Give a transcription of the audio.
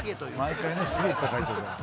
毎回ねすげえいっぱい書いてるから。